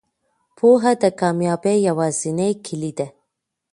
پوهه د کامیابۍ یوازینۍ کیلي ده.